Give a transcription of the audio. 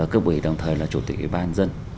cơ bụi đồng thời là chủ tịch bàn dân